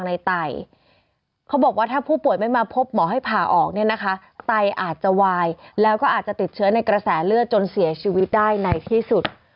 ไตเขาบอกว่าถ้าผู้ป่วยไม่มาพบหมอให้ผ่าออกเนี่ยนะคะไตอาจจะวายแล้วก็อาจจะติดเชื้อในกระแสเลือดจนเสียชีวิตได้ในที่สุด